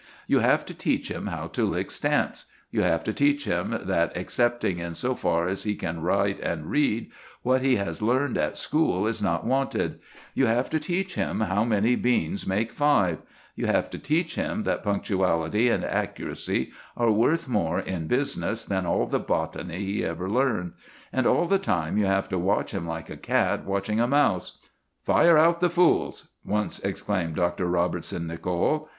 You have to teach him how to lick stamps. You have to teach him that, excepting in so far as he can write and read, what he has learned at school is not wanted; you have to teach him how many beans make five; you have to teach him that punctuality and accuracy are worth more in business than all the botany he ever learned; and all the time you have to watch him like a cat watching a mouse. "Fire out the fools!" once exclaimed Dr. Robertson Nicoll.